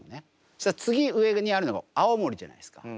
次上にあるのが青森じゃないですか。